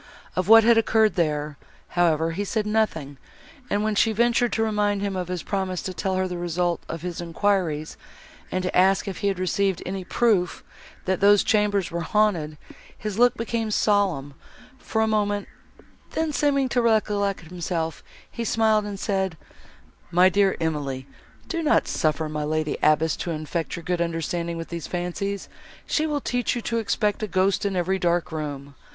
Of what had occurred there, however, he said nothing, and, when she ventured to remind him of his promise to tell her the result of his enquiries, and to ask if he had received any proof, that those chambers were haunted, his look became solemn, for a moment, then, seeming to recollect himself, he smiled, and said, "My dear Emily, do not suffer my lady abbess to infect your good understanding with these fancies; she will teach you to expect a ghost in every dark room.